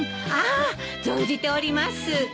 あ！存じております。